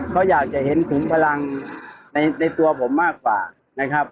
เขาอยากจะเห็นถุงพลังในตัวผมมากกว่านะครับ